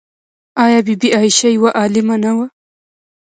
آیا بی بي عایشه یوه عالمه نه وه؟